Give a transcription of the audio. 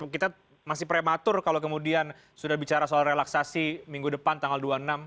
kita masih prematur kalau kemudian sudah bicara soal relaksasi minggu depan tanggal dua puluh enam